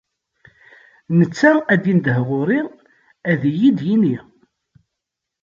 Netta ad d-indeh ɣur-i, ad iyi-d-yini.